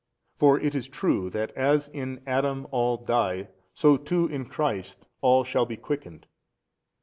For it is true, that as in Adam all die so too in Christ all shall be quickened.